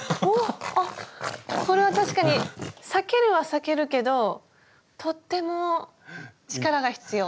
これは確かに裂けるは裂けるけどとっても力が必要。